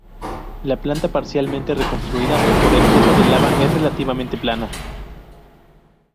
La planta, parcialmente reconstituida por el flujo de lava, es relativamente plana.